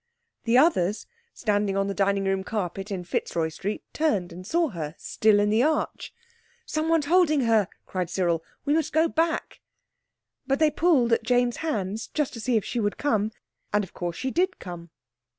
The others, standing on the dining room carpet in Fitzroy Street, turned and saw her still in the arch. "Someone's holding her," cried Cyril. "We must go back." But they pulled at Jane's hands just to see if she would come, and, of course, she did come.